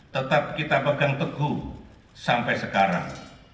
tetap kita pegang teguh sampai sekarang